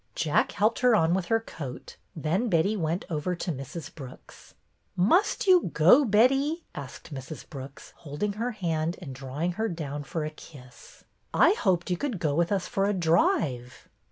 Jack helped her on with her coat, then Betty went over to Mrs. Brooks. ''Must you go, Betty?" asked Mrs. Brooks, holding her hand and drawing her down for a kiss. " I hoped you could go with us for a drive."